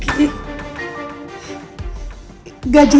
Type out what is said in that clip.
gaji ibu juga gak dibayar